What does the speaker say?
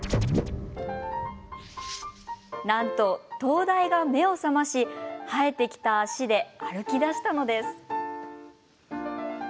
なんと灯台が目を覚まし生えてきた足で歩きだしたのです。